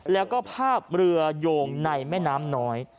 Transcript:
แล้วก็ภาพเรือโยงในแม่น้ำน้อย